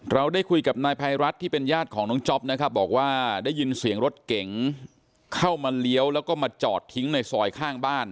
เราได้คุยกับนายภัยรัฐที่เป็นญาติของน้องจ๊อปนะครับบอกว่าได้ยินเสียงรถเก๋งเข้ามาเลี้ยวแล้วก็มาจอดทิ้งในซอยข้างบ้าน